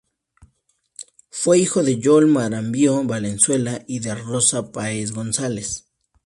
Fue hijo de Joel Marambio Valenzuela y de Rosa Páez González.